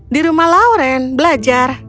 di rumah lauren belajar